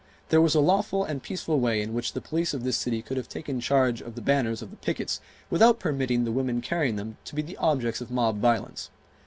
There was a lawful and peaceful way in which the police of this city could have taken charge of the banners of the pickets without permitting the women carrying them to be the objects of mob violence.